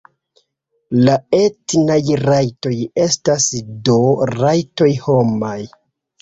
La etnaj rajtoj estas do rajtoj homaj.